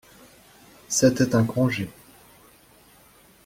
C'était un congé.